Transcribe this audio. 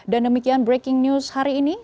dan demikian breaking news hari ini